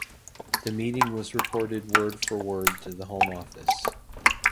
The meeting was reported word for word to the Home Office.